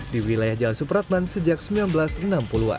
di wilayah jalan supratman sejak seribu sembilan ratus enam puluh an